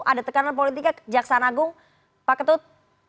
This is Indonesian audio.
ada tekanan politiknya kejaksaan agung pak ketut